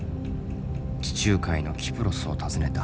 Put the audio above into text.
地中海のキプロスを訪ねた。